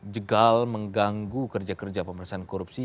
jegal mengganggu kerja kerja pemerintahan korupsi